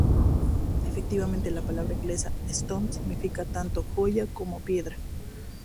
Efectivamente, la palabra inglesa "stone" significa tanto 'joya' como 'piedra'.